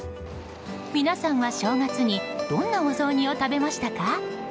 皆さんは正月にどんなお雑煮を食べましたか？